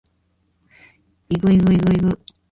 ｲｸﾞｲｸﾞｲｸﾞｲｸﾞ